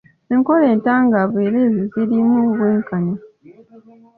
Enkola entangaavu era ezirimu obwenkanya.